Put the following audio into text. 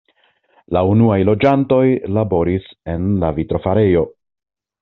La unuaj loĝantoj laboris en la vitrofarejo.